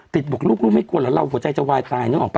ติดบอกลูกไม่กลัวแล้วเราผัวใจจะไหว้ตายนึกออกป่ะ